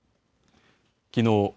きのう